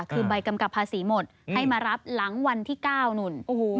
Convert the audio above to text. คือใบกำกับภาษีหมดให้มารับหลังวันที่๙นู่น